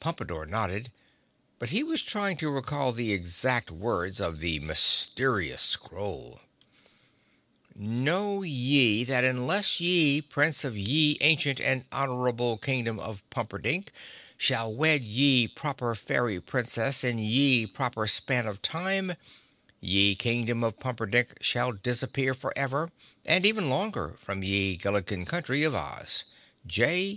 Pompadore nodded, but he was trying to recall the exact words of the mysterious scroll: "Know Ye, that unless ye Prince of ye ancient and honorable Kingdom of Pumperdink shall wed ye Proper Fairy Princess in ye proper span of time ye Kingdom of Pumperdink shall disappear forever and even longer from ye Gilliken Country of Oz. _J.